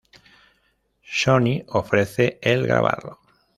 Sony ofrece el "grabarlo".